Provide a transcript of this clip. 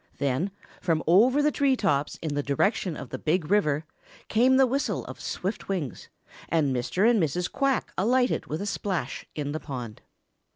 Then, from over the tree tops in the direction of the Big River, came the whistle of swift wings, and Mr. and Mrs. Quack alighted with a splash in the pond.